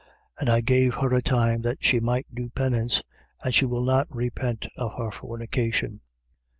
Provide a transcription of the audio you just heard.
2:21. And I gave her a time that she might do penance: and she will not repent of her fornication.